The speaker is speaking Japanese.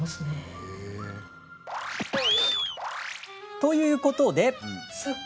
ということで。